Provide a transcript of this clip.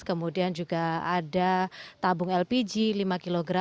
kemudian juga ada tabung lpg lima kg